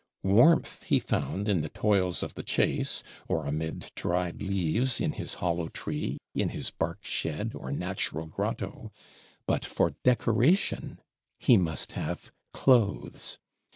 Warmth he found in the toils of the chase; or amid dried leaves, in his hollow tree, in his bark shed, or natural grotto: but for Decoration he must have Clothes.